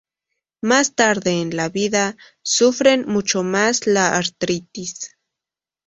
Más tarde en la vida, sufren mucho más la artritis.